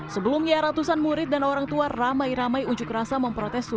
sebelumnya ratusan murid dan orang tua ramai ramai ujuk rasa memprotes